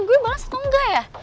gua bales atau enggak ya